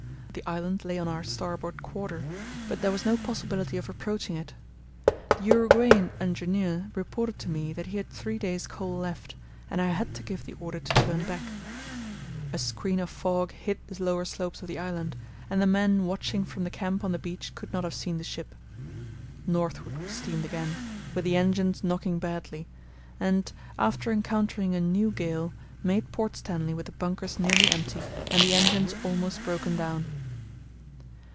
The island lay on our starboard quarter, but there was no possibility of approaching it. The Uruguayan engineer reported to me that he had three days' coal left, and I had to give the order to turn back. A screen of fog hid the lower slopes of the island, and the men watching from the camp on the beach could not have seen the ship. Northward we steamed again, with the engines knocking badly, and after encountering a new gale, made Port Stanley with the bunkers nearly empty and the engines almost broken down.